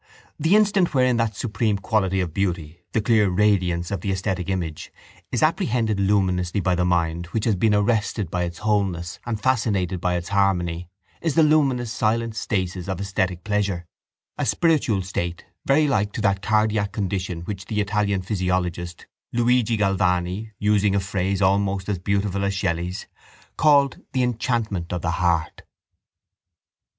The instant wherein that supreme quality of beauty, the clear radiance of the esthetic image, is apprehended luminously by the mind which has been arrested by its wholeness and fascinated by its harmony is the luminous silent stasis of esthetic pleasure, a spiritual state very like to that cardiac condition which the Italian physiologist Luigi Galvani, using a phrase almost as beautiful as Shelley's, called the enchantment of the heart.